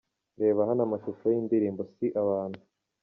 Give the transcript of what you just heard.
Reba hano amashusho y'indirimbo 'Si abantu'.